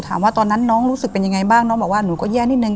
ตอนนั้นน้องรู้สึกเป็นยังไงบ้างน้องบอกว่าหนูก็แย่นิดนึ